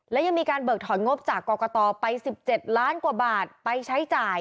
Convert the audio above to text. และยังมีการเบิกถอนงบจากกรกตไป๑๗ล้านกว่าบาทไปใช้จ่าย